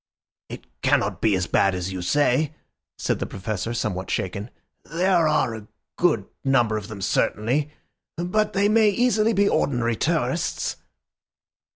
"It cannot be as bad as you say," said the Professor, somewhat shaken. "There are a good number of them certainly, but they may easily be ordinary tourists."